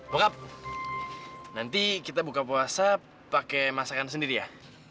bokap nanti kita buka puasa pake masakan sendiri ya